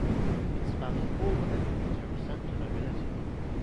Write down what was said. It’s about a poor woman and her ascent to nobility.